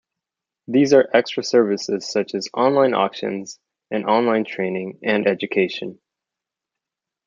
These are extra services such as online auctions and online training and education.